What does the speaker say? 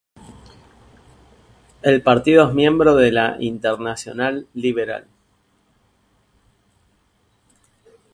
El partido es miembro de la Internacional Liberal.